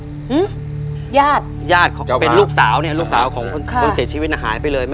ญาติญาติของเป็นลูกสาวเนี่ยลูกสาวของคนเสียชีวิตน่ะหายไปเลยไหม